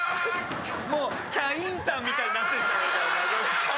もうキャインさんみたいになってるじゃねえかよ